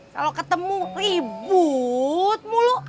kalau ketemu ribut mulu